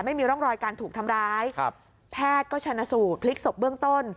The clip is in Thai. ไม่มีร่องรอยการถูกทำร้ายครับแพทย์ก็ชนะสูตรพลิกศพเบื้องต้น